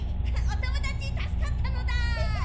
おともだちたすかったのだ！